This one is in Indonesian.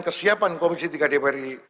kesiapan komisi tiga dpr